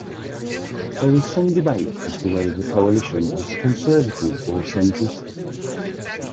There is some debate as to whether the coalition was conservative or centrist.